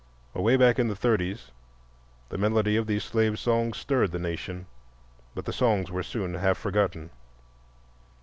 Away back in the thirties the melody of these slave songs stirred the nation, but the songs were soon half forgotten.